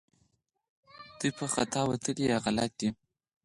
دوی په خطا وتلي یا غلط دي